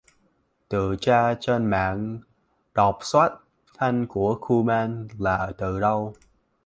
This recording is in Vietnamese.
Từ tra trên mạng đọc xuất thân của kuman là từ đâu